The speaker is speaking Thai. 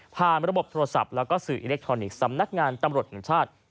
ระบบโทรศัพท์แล้วก็สื่ออิเล็กทรอนิกส์สำนักงานตำรวจแห่งชาติ